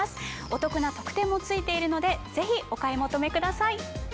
お得な特典も付いているのでぜひお買い求めください！